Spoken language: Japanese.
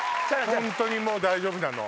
本当にもう大丈夫なの。